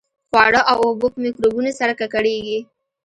خواړه او اوبه په میکروبونو سره ککړېږي.